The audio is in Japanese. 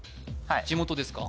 地元ですか？